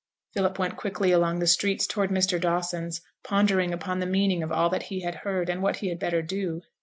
Philip went quickly along the streets towards Mr. Dawson's, pondering upon the meaning of all that he had heard, and what he had better do.